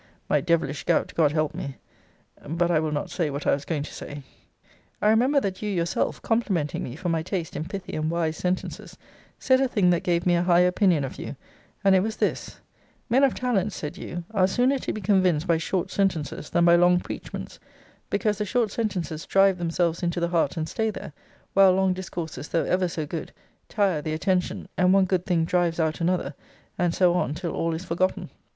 My devilish gout, God help me but I will not say what I was going to say. I remember, that you yourself, complimenting me for my taste in pithy and wise sentences, said a thing that gave me a high opinion of you; and it was this: 'Men of talents,' said you, 'are sooner to be convinced by short sentences than by long preachments, because the short sentences drive themselves into the heart and stay there, while long discourses, though ever so good, tire the attention; and one good thing drives out another, and so on till all is forgotten.'